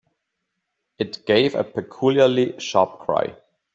It gave a peculiarly sharp cry.